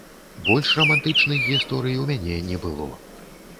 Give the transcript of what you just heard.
Больш рамантычных гісторый у мяне не было.